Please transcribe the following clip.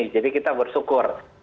jadi kita bersyukur